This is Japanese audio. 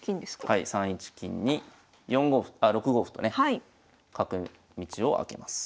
はい３一金に４五歩あ６五歩とね角道を開けます。